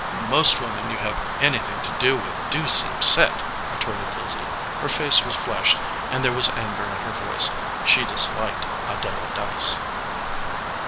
"Most women you have anything to do with do seem set," retorted Lizzie. Her face was flushed and there was anger in her voice. She disliked Adela Dyce.